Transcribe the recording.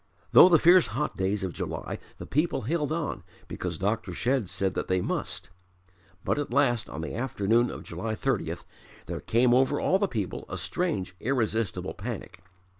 II Through the fierce hot days of July the people held on because Dr. Shedd said that they must; but at last on the afternoon of July 30th there came over all the people a strange irresistible panic.